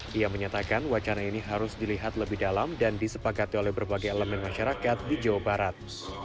dia menyatakan wacana ini harus dilihat lebih dalam dan disepakati oleh berbagai elemen masyarakat di jawa barat